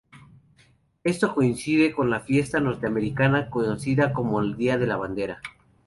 Esto coincide con la fiesta norteamericana conocida como el Día de la Bandera.